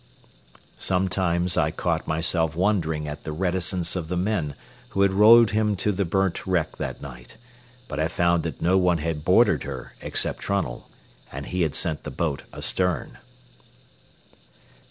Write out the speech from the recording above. Sometimes I caught myself wondering at the reticence of the men who had rowed him to the burnt wreck that night, but I found that no one had boarded her except Trunnell and he had sent the boat astern.